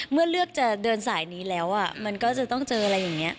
เลือกจะเดินสายนี้แล้วมันก็จะต้องเจออะไรอย่างนี้